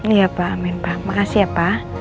iya pak amin pak makasih ya pak